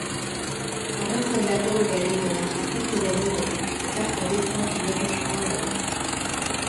Arratsaldeak aurrera egin ahala, atertzera egingo du eta hodeitza zulatuz joango da.